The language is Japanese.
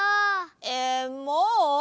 えもう？